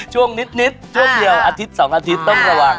ช่วงนิดช่วงเดียวอาทิตย์๒อาทิตย์ต้องระวัง